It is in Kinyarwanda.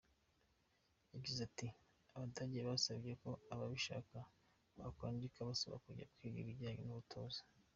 Yagize ati “Abadage basabye ko ababishaka bakwandika basaba kujya kwiga ibijyanye n’ubutoza.